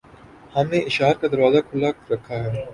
ہم نے اشعار کا دروازہ کھُلا رکھا ہے